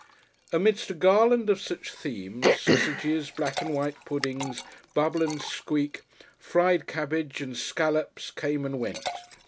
Amidst a garland of such themes, sausages, black and white puddings, bubble and squeak, fried cabbage and scallops came and went.